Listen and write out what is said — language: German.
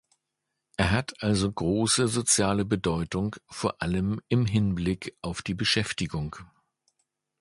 Er hat also große soziale Bedeutung, vor allem im Hinblick auf die Beschäftigung.